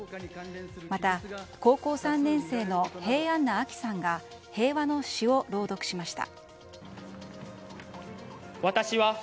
また、高校３年生の平安名秋さんが平和の詩を朗読しました。